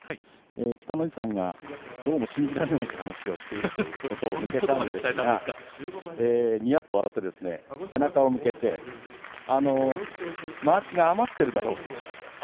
北の富士さんがどうも信じられないという話をしているということを告げますとにやっと笑って背中を向けてまわしが余ってるだろう